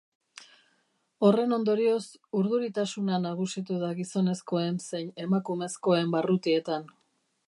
Horren ondorioz, urduritasuna nagusitu da gizonezkoen zein emakumezkoen barrutietan.